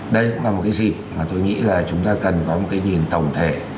đây cũng là một cái dịp mà tôi nghĩ là chúng ta cần có một cái nhìn tổng thể